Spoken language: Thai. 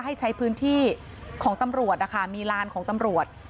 ให้ใช้พื้นที่ของตำรวจนะคะมีลานของตำรวจ